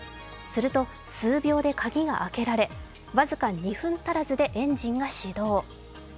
すると、数秒で鍵が開けられ、僅か２分足らずでエンジンが始動。